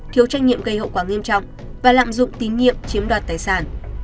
thiếu trách nhiệm gây hậu quả nghiêm trọng và lạm dụng tín nhiệm chiếm đoạt tài sản